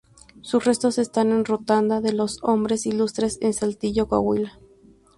Sus restos están en la Rotonda de los Hombres ilustres en Saltillo Coahuila.